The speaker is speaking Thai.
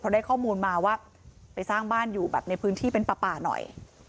ได้ข้อมูลมาว่าไปสร้างบ้านอยู่แบบในพื้นที่เป็นป่าหน่อย